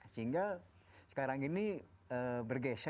sehingga sekarang ini bergeser mereka ke